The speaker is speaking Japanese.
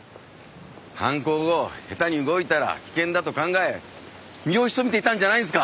犯行後下手に動いたら危険だと考え身を潜めていたんじゃないんですか？